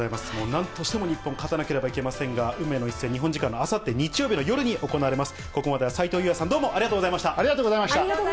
なんとしても日本、勝たなければいけませんが、運命の一戦、日本時間のあさって日曜日の夜に行われます。